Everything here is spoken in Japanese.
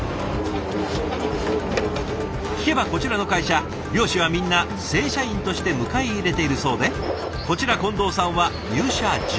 聞けばこちらの会社漁師はみんな正社員として迎え入れているそうでこちら近藤さんは入社１２年目。